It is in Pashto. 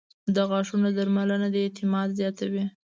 • د غاښونو درملنه د اعتماد زیاتوي.